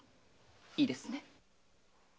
いいですね。